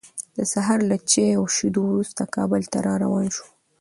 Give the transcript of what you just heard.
د سهار له چای او شیدو وروسته، کابل ته روان شوو.